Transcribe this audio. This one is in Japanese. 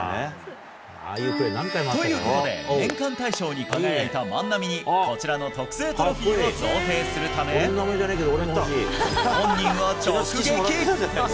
ああいうプレー、何回もあっということで年間大賞に輝いた万波に、こちらの特製トロフィーを贈呈するため、本人を直撃。